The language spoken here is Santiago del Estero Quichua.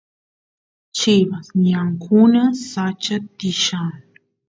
chivas ñankuna sacha tiyan